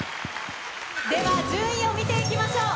では順位を見ていきましょう。